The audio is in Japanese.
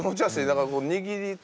だからこう握り。